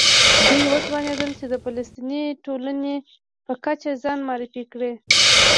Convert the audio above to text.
دوی وتوانېدل چې د فلسطیني ټولنې په کچه ځان معرفي کړي.